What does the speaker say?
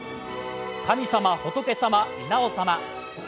神様、仏様、稲尾様。